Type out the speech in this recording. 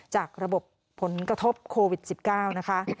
จากระบบผลกระทบโควิด๑๙นะคะ